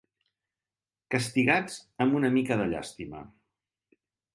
Castigats amb una mica de llàstima.